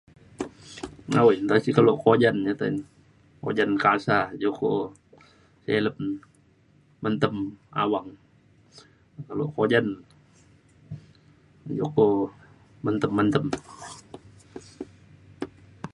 awai nta sik ko lok ujan ja te ujan kasa ja ko silem mentem awang dalok pa ujan jo ko mentem mentem